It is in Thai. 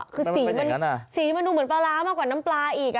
คือสีมันสีมันดูเหมือนปลาร้ามากกว่าน้ำปลาอีก